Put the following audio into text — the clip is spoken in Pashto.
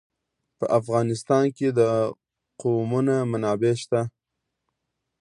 په افغانستان کې د قومونه منابع شته.